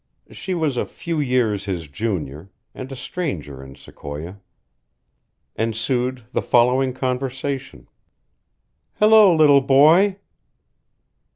She was a few years his junior, and a stranger in Sequoia. Ensued the following conversation: "Hello, little boy."